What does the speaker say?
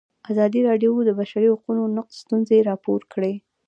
ازادي راډیو د د بشري حقونو نقض ستونزې راپور کړي.